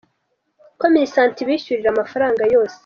ko Minisante ibishyurira amafaranga yose.